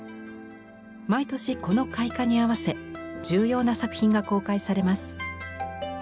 毎年この開花に合わせ重要な作品が公開されます。